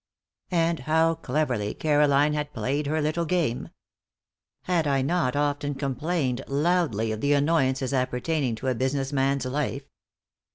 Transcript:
And how cleverly Caroline had played her little game! Had I not often complained loudly of the annoyances appertaining to a business man's life?